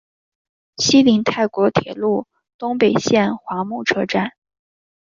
西邻泰国铁路东北线华目车站。